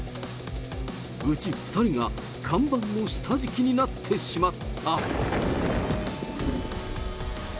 うち２人が看板の下敷きになってしまった。